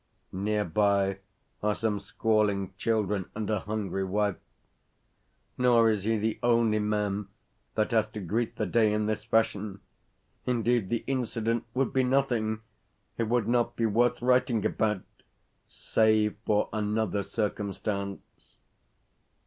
Nearby are some squalling children and a hungry wife. Nor is he the only man that has to greet the day in this fashion. Indeed, the incident would be nothing it would not be worth writing about, save for another circumstance.